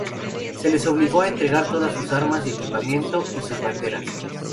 Se les obligó a entregar todas sus armas, su equipamiento y sus banderas.